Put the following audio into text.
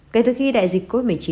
kể từ khi đại dịch covid một mươi chín